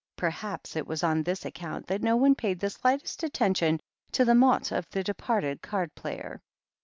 Perhaps it was on this account that no one paid the slightest attention to the mot of the departed card player.